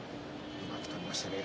うまく取りましたね。